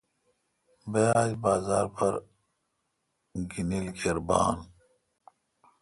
بہ آج بازار پر گینل کیر بھان۔